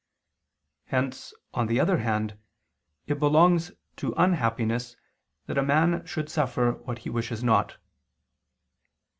Hence, on the other hand, it belongs to unhappiness that a man should suffer what he wishes not.